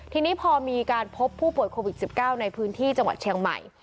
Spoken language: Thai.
ทีนี้พอมีการพบผู้ป่วยโควิด๑๙ในพื้นที่จังหวัดเชียงใหม่